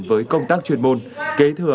với công tác chuyên môn kế thừa